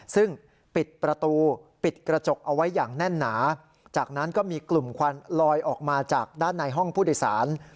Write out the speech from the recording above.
ซึ่งปิดประตูปิดกระจกเอาไว้อย่างแน่นหนาจากนั้นก็มีกลุ่มควันลอยออกมาจากด้านในห้องผู้โดยสาร